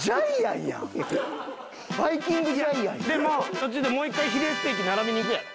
途中でもう一回ヒレステーキ並びに行くやろ。